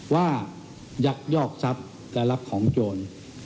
ยักยอกทรัพย์และรับของโจร